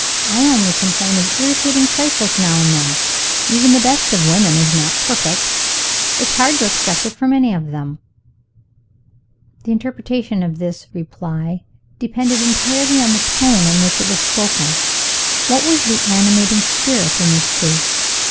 I only complain of irritating trifles now and then. Even the best of women is not perfect. It's hard to expect it from any of them." (The interpretation of this reply depended entirely on the tone in which it was spoken. What was the animating spirit in this case?